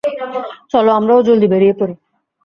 চলো আমরাও জলদি বেরিয়ে পড়ি।